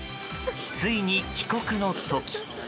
ついに帰国の時。